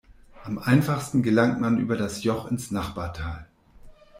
Am einfachsten gelangt man über das Joch ins Nachbartal.